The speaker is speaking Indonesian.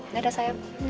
nah dah sayang